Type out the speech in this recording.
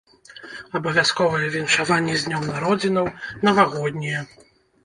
Абавязковыя віншаванні з днём народзінаў, навагоднія.